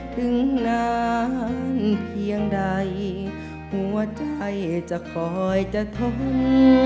ถึงนานเพียงใดหัวใจจะคอยจะทน